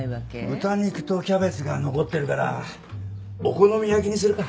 豚肉とキャベツが残ってるからお好み焼きにするか？